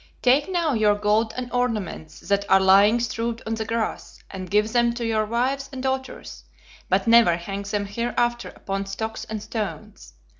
Take now your gold and ornaments that are lying strewed on the grass, and give them to your wives and daughters, but never hang them hereafter upon stocks and stones.